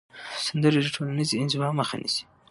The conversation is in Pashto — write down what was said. سندرې د ټولنیزې انزوا مخه نیسي.